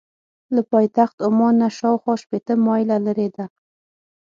له پایتخت عمان نه شاخوا شپېته مایله لرې ده.